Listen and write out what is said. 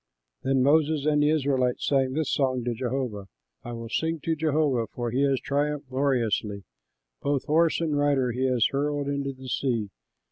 Then Moses and the Israelites sang this song to Jehovah: "I will sing to Jehovah, for he has triumphed gloriously: Both horse and rider he has hurled into the sea.